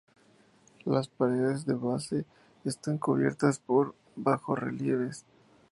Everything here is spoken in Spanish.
Las paredes de la base están cubiertas por bajorrelieves.